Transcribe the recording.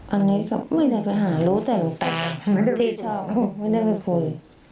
อันนี้ก็ไม่ได้ไปหารู้แต่หลวงตาที่ชอบไม่ได้ไปคุย